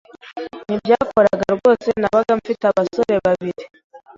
ntibyakoraga rwose nabaga mfite abasore babiri